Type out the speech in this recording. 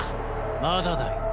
まだだよ。